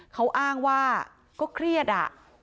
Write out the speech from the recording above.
เขาอ้างว่าก็เครียดอะ